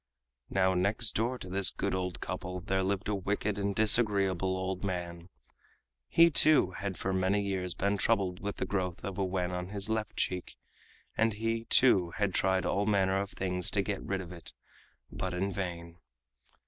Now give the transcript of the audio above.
Now next door to this good old couple there lived a wicked and disagreeable old man. He, too, had for many years been troubled with the growth of a wen on his left cheek, and he, too, had tried all manner of things to get rid of it, but in vain.